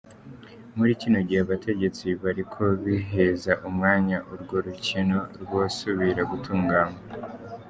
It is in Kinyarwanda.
Muri kino gihe abategetsi bariko bihweza umwanya urwo rukino rwosubira gutunganywa.